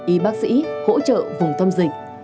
y bác sĩ hỗ trợ vùng thâm dịch